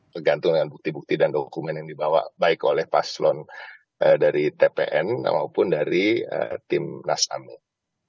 bergantung dengan bukti bukti dan dokumen yang dibawa baik oleh paslon dari tpn maupun dari tim nas amin